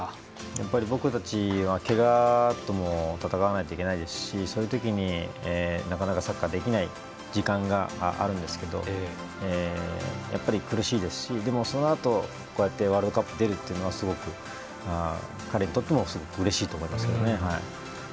やっぱり、僕たちはけがとも闘わないといけないですしそういう時に、なかなかサッカーができない時間があるんですけどやっぱり苦しいですしでも、そのあとこうやってワールドカップに出るのはすごく彼にとってもうれしいと思いますね。